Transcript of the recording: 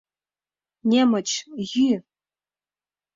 Немыч, йӱ!